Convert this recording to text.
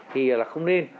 thì là không nên